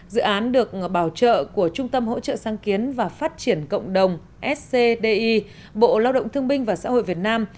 dự án được bảo trợ của trung tâm hỗ trợ sáng kiến và phát triển cộng đồng scdi bộ lao động thương binh và xã hội việt nam